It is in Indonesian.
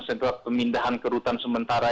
setelah pemindahan ke rutan sementara